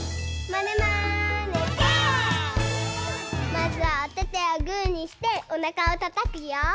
まずはおててをグーにしておなかをたたくよ。